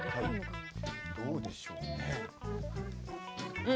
どうでしょうね。